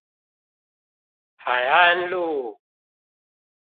海安路